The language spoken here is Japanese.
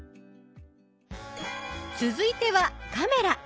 続いてはカメラ。